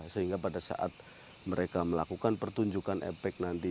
sehingga pada saat mereka melakukan pertunjukan epek nanti